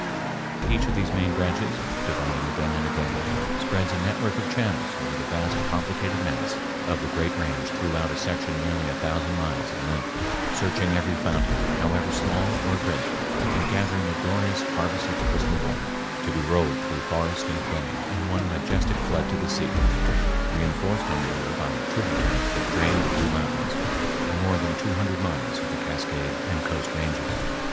Each of these main branches, dividing again and again, spreads a network of channels over the vast complicated mass of the great range throughout a section nearly a thousand miles in length, searching every fountain, however small or great, and gathering a glorious harvest of crystal water to be rolled through forest and plain in one majestic flood to the sea, reinforced on the way by tributaries that drain the Blue Mountains and more than two hundred miles of the Cascade and Coast Ranges.